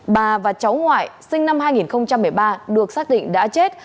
bà và cháu ngoại sinh năm hai nghìn một mươi ba được xác định đã chết